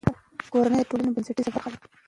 کورنۍ د ټولنې بنسټیزه برخه ده.